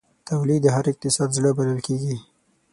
تولید د هر اقتصاد زړه بلل کېږي.